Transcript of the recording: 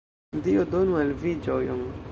Dio donu al vi ĝojon.